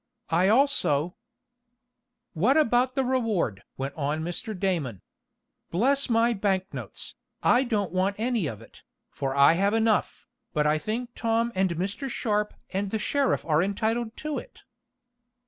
"I also " "What about the reward?" went on Mr. Damon. "Bless my bank notes, I don't want any of it, for I have enough, but I think Tom and Mr. Sharp and the sheriff are entitled to it."